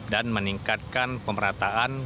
dan meningkatkan pemerintahan